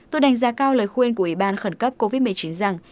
tôi đánh giá cao lời khuyên của ủy ban khẩn cấp covid một mươi chín rằng